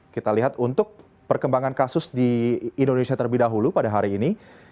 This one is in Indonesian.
kita lihat untuk perkembangan kasus di indonesia terlebih dahulu pada hari ini